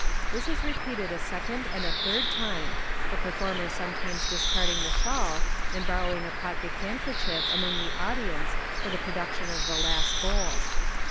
This is repeated a second and a third time, the performer sometimes discarding the shawl, and borrowing a pocket handkerchief among the audience for the production of the last bowl.